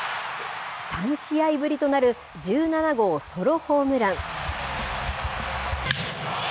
３試合ぶりとなる、１７号ソロホームラン。